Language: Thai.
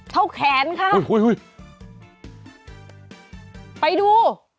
เท่าแขนค่ะอุ้ยอุ้ยไปดู